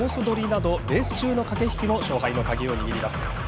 取りなどレース中の駆け引きも勝敗の鍵を握ります。